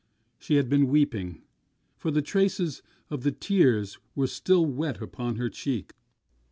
She had been weeping; for the traces of the tears were still wet upon her cheek.